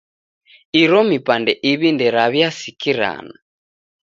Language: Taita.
Iro mipande iw'i nderaw'iasikirana.